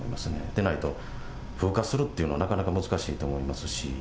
でないと風化するというのはなかなか難しいと思いますし。